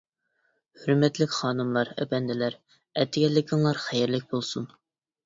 ھۆرمەتلىك خانىملار، ئەپەندىلەر، ئەتىگەنلىكىڭلار خەيرلىك بولسۇن!